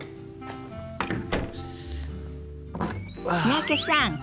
三宅さん